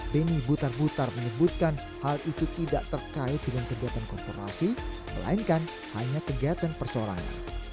denny butar butar menyebutkan hal itu tidak terkait dengan kegiatan korporasi melainkan hanya kegiatan persorangan